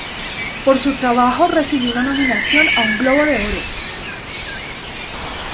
Por su trabajo recibió una nominación a un Globo de Oro.